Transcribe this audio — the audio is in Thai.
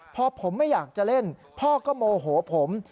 พอผมไม่อยากจะเล่นพ่อก็โมโหผม